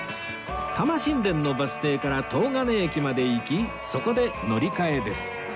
田間新田のバス停から東金駅まで行きそこで乗り換えです